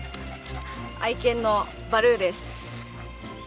愛犬のバルーです。